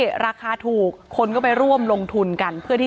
อ๋อเจ้าสีสุข่าวของสิ้นพอได้ด้วย